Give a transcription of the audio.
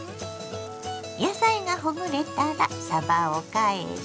野菜がほぐれたらさばを返し